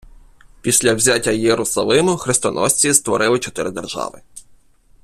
Після взяття Єрусалиму хрестоносці створили чотири держави.